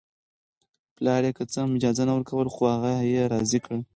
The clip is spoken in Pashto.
پلار یې که څه هم اجازه نه ورکوله خو هغه یې راضي کړ